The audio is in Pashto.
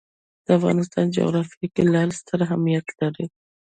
د افغانستان جغرافیه کې لعل ستر اهمیت لري.